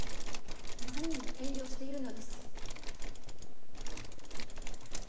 何に遠慮しているのです。